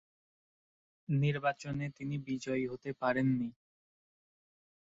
নির্বাচনে তিনি বিজয়ী হতে পারেন নি।